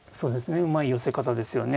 うまい寄せ方ですよね。